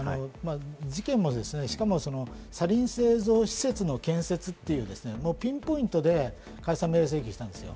事件も、しかもサリン製造施設の建設というピンポイントで解散命令請求したんですよ。